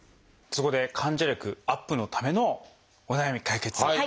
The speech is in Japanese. そこで患者力アップのためのお悩み解決